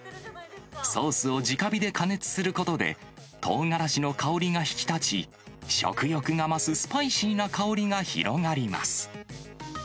ソースを直火で加熱することで、とうがらしの香りが引き立ち、食欲が増すスパイシーな香りが広がります。